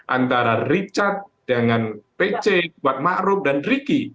antara richard dengan pece wat ma'ruf dan ricky